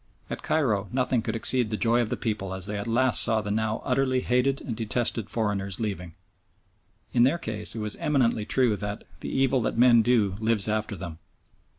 At Cairo nothing could exceed the joy of the people as they at last saw the now utterly hated and detested foreigners leaving. In their case it was eminently true that "the evil that men do lives after them."